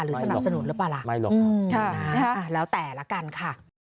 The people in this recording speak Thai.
สนับสนุนหรือเปล่าล่ะไม่หรอกครับแล้วแต่ละกันค่ะ